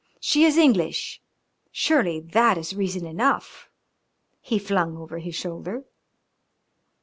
"She is English, surely that is reason enough," he flung over his shoulder.